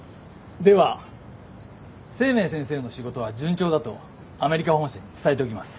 では清明先生の仕事は順調だとアメリカ本社に伝えておきます。